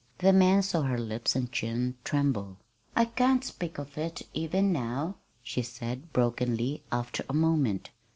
The man saw her lips and chin tremble. "I can't speak of it even now," she said brokenly, after a moment.